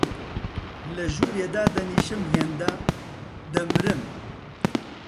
لە ژوورێ دادەنیشم هێندە، دەمرم